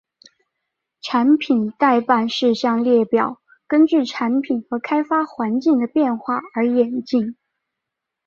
产品待办事项列表根据产品和开发环境的变化而演进。